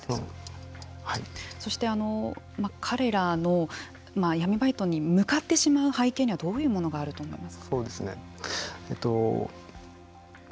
そして、彼らが闇バイトに向かってしまう背景にはどういうものがあると思いますか。